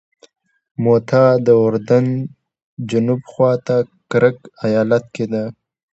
موته د اردن جنوب خواته کرک ایالت کې ده.